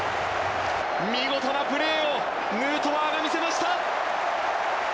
見事なプレーをヌートバーが見せました！